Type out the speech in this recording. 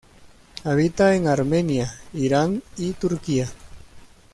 Habita en Armenia, Irán y Turquía.